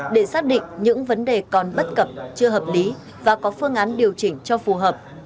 để xác định những vấn đề còn bất cập chưa hợp lý và có phương án điều chỉnh cho phù hợp